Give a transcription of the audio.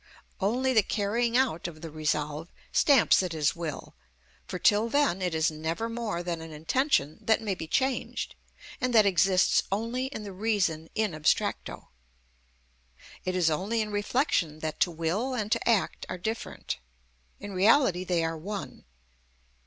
Only the carrying out of the resolve stamps it as will, for till then it is never more than an intention that may be changed, and that exists only in the reason in abstracto. It is only in reflection that to will and to act are different; in reality they are one.